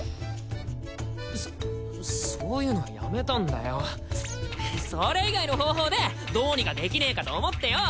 そっそういうのはやめたんだよそれ以外の方法でどうにかできねえかと思ってよ